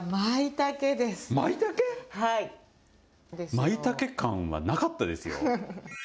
まいたけ感はなかったですよ。